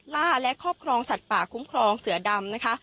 ล่าและครอบครองสัตว์ป่าคุ้มครองเสือดำนะคะ